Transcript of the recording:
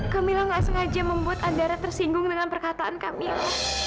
kak mila nggak sengaja membuat andara tersinggung dengan perkataan kak mila